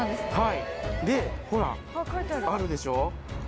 でほらあるでしょう？